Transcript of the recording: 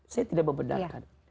saya tidak membenarkan